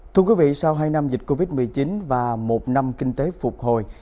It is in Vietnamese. thưa quý vị sau hai năm dịch covid một mươi chín và một năm kinh tế phục hồi